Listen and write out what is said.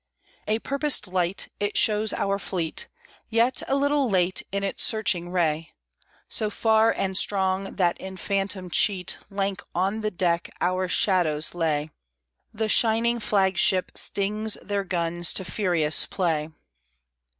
A purposed light; it shows our fleet; Yet a little late in its searching ray, So far and strong that in phantom cheat Lank on the deck our shadows lay; The shining flag ship stings their guns to furious play.